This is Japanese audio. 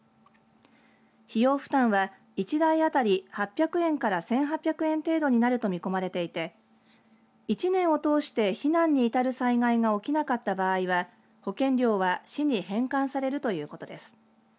費用負担は１台当たり８００円から１８００円程度になると見込まれていて１年を通して避難に至る災害が起きなかった場合は保険料は市に返還されるということです。